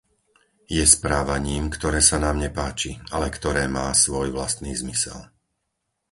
Je správaním, ktoré sa nám nepáči, ale ktoré má svoj vlastný zmysel.